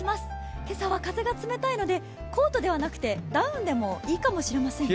今朝は風が冷たいのでコートではなくてダウンでもいいかもしれませんね。